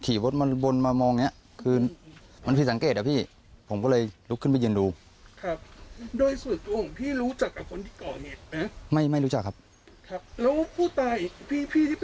ครับแล้วผู้ตายพี่ที่เป็นผู้ตายเขาเคยเล่าว่ามีปัญหาอะไร